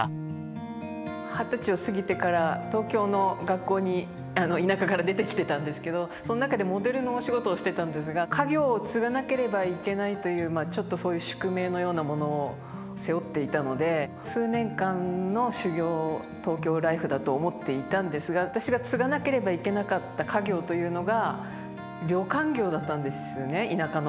二十歳を過ぎてから東京の学校に田舎から出てきてたんですけどそん中でモデルのお仕事をしてたんですが家業を継がなければいけないというちょっとそういう宿命のようなものを背負っていたので数年間の修業東京ライフだと思っていたんですが私が継がなければいけなかった家業というのが旅館業だったんですね田舎の。